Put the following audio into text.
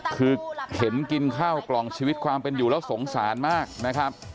คือเห็นกินข้าวกล่องชีวิตความเป็นอยู่แล้วสงสารมากนะครับ